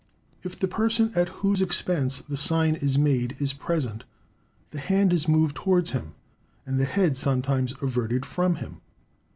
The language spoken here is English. If the person at whose expense the sign is made is present, the hand is moved towards him, and the head sometimes averted from him."